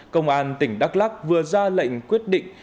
công an tỉnh đắk lắc vừa ra lệnh quyết định